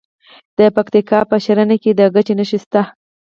د پکتیکا په ښرنه کې د ګچ نښې شته.